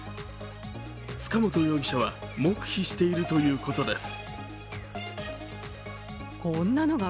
塚本容疑者は黙秘しているということです。